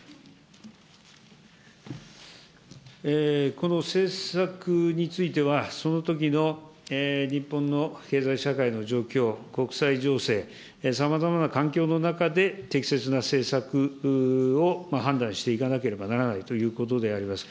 この政策については、そのときの日本の経済社会の状況、国際情勢、さまざまな環境の中で、適切な政策を判断していかなければならないということであります。